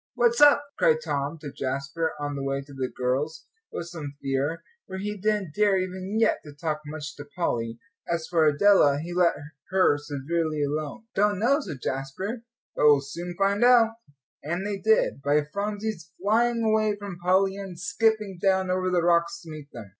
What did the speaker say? "What's up?" cried Tom to Jasper, on the way to the girls with some fear, for he didn't dare even yet to talk much to Polly. As for Adela, he let her severely alone. "Don't know," said Jasper, "but we'll soon find out," and they did, by Phronsie's flying away from Polly and skipping down over the rocks to meet them.